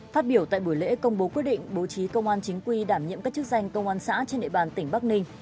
phát biểu tại buổi lễ công bố quyết định bố trí công an chính quy đảm nhiệm các chức danh công an xã trên địa bàn tỉnh bắc ninh